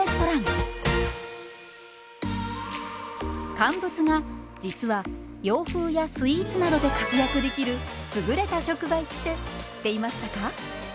乾物が実は洋風やスイーツなどで活躍できる優れた食材って知っていましたか？